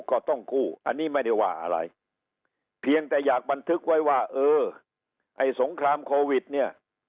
ก็ต้องกู้อันนี้ไม่ได้ว่าอะไรเพียงแต่อยากบันทึกไว้ว่าเออไอ้สงครามโควิดเนี่ย